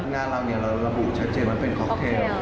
งานเราเราระบุชัดเจนว่าเป็นค็อกเทล